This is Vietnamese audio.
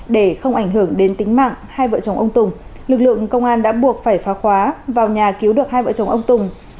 để không ảnh hưởng đến tính mạng hai vợ chồng ông tùng lực lượng công an đã buộc phải phá khóa vào nhà cứu được hai vợ chồng ông tùng